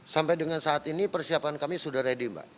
sampai dengan saat ini persiapan kami sudah ready mbak